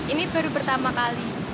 ini baru pertama kali